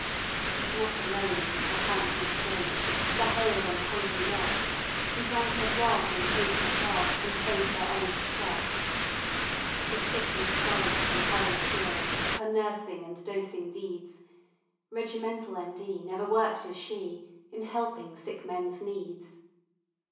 "And not alone was her kindness shown To the hale and hungry lot Who drank her grog and ate her prog, And paid their honest shot. "The sick and sorry can tell the story Of her nursing and dosing deeds; Regimental M.D. never worked as she, In helping sick men's needs.